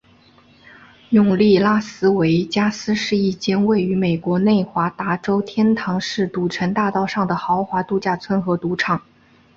永利拉斯维加斯是一间位于美国内华达州天堂市赌城大道上的豪华度假村和赌场。